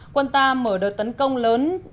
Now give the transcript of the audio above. quân ta mở đợt tấn công lớn